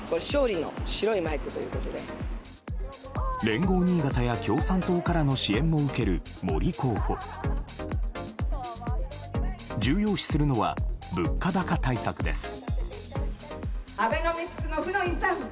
連合新潟や、共産党からの支援も受ける森候補。重要視するのは物価高対策です。